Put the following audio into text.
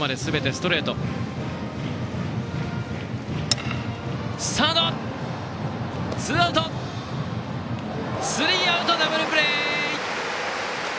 スリーアウト、ダブルプレー！